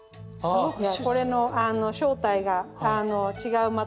じゃあこれの正体が違う